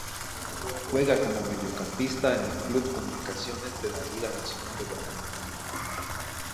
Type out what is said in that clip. Juega como mediocampista en el club Comunicaciones de la Liga Nacional de Guatemala.